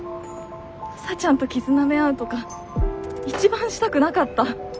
かさちゃんと傷なめ合うとか一番したくなかった。